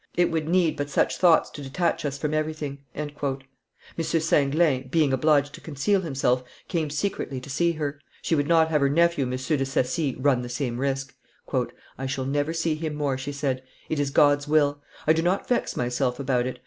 It would need but such thoughts to detach us from everything." M. Singlin, being obliged to conceal himself, came secretly to see her; she would not have her nephew, M. de Sacy, run the same risk. "I shall never see him more," she said; "it is God's will; I do not vex myself about it.